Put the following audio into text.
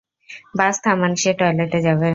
বাস থামান সে টয়লেটে যাবে।